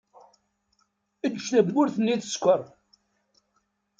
Eǧǧ tawwurt-nni tsekkeṛ.